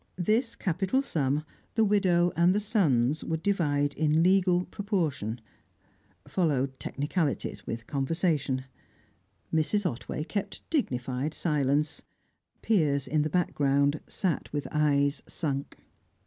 This capital sum, the widow and the sons would divide in legal proportion. Followed technicalities, with conversation. Mrs. Otway kept dignified silence; Piers, in the background, sat with eyes sunk.